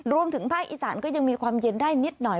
รวมถึงภาคอีสานก็ยังมีความเย็นได้นิดหน่อย